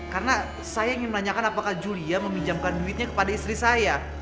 karena saya ingin menanyakan apakah julia meminjamkan duitnya kepada istri saya